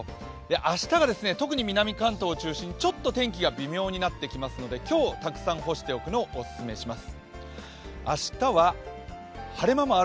明日が特に南関東を中心に、ちょっと天気が微妙になってきますので今日、たくさん干しておくのをお勧めします。